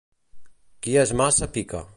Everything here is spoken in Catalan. Qui és maça pica.